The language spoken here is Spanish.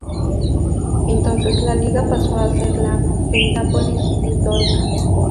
Entonces la liga pasó a ser la Pentápolis dórica.